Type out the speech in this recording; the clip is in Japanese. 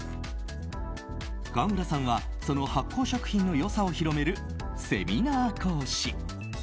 川村さんは、その発酵食品の良さを広めるセミナー講師。